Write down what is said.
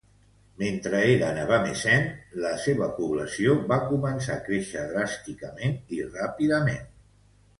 Mentre eren a Bamessin, la seva població va començar a créixer dràsticament i ràpidament.